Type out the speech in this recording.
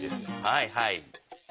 はいはい。